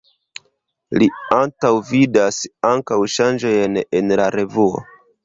Li antaŭvidas ankaŭ ŝanĝojn en la revuo.